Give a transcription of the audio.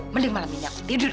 mending malam ini aku tidur